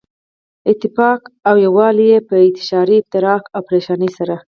اتفاق او يو والی ئي په انتشار، افتراق او پريشانۍ سره